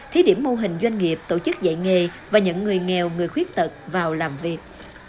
thí điểm mô hình doanh nghiệp tổ chức dạy nghề và những người nghèo người khuyết tật vào làm việc